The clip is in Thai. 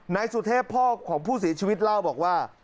นายสุเทพพ่อของผู้เสียชีวิตเล่าบอกว่า